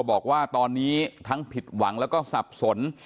บอกว่าตอนนี้ทั้งผิดหวังแล้วก็สับสน